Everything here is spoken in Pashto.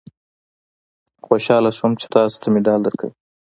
خوشاله شوم چې تاسې ته مډال درکوي.